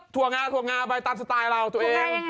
วงาถั่วงาไปตามสไตล์เราตัวเอง